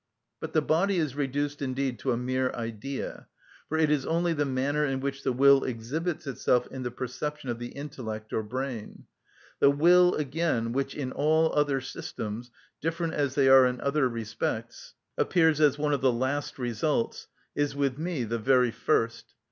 But the body is reduced indeed to a mere idea, for it is only the manner in which the will exhibits itself in the perception of the intellect or brain. The will, again, which in all other systems, different as they are in other respects, appears as one of the last results, is with me the very first.